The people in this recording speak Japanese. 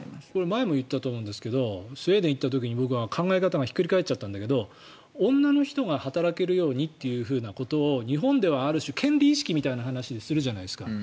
前も言ったと思うんですけどスウェーデンに行った時に僕は考え方がひっくり返っちゃったんだけど女の人が働けるようにということを日本ではある種権利意識みたいな話でするじゃないですか。